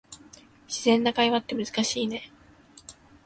自然な会話って難しいね